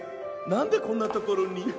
なんでこんなところに？